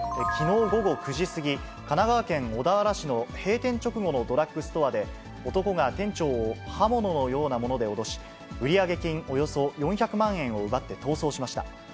きのう午後９時過ぎ、神奈川県小田原市の閉店直後のドラッグストアで、男が店長を刃物のようなもので脅し、売上金およそ４００万円を奪って逃走しました。